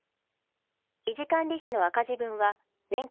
維持管理費の赤字分は年間